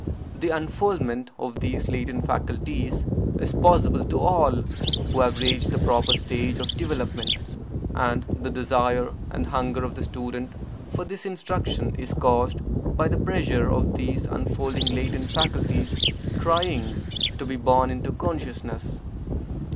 The unfoldment of these latent faculties is possible to all who have reached the proper stage of development, and the desire and hunger of the student for this instruction is caused by the pressure of these unfolding latent faculties, crying to be born into consciousness.